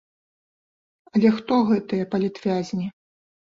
Але хто гэтыя палітвязні?